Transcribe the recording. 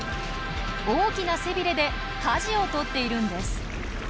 大きな背ビレでかじを取っているんです。